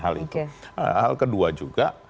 hal itu hal kedua juga